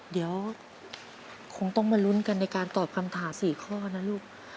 เดี๋ยวคงต้องมาลุ้นกันในการตอบคำถาม๔ข้อนะลูก